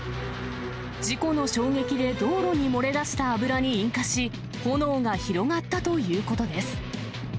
事故の衝撃で道路に漏れ出した油に引火し、炎が広がったということです。